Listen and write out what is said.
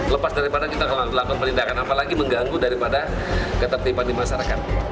lepas daripada kita melakukan penindakan apalagi mengganggu daripada ketertiban di masyarakat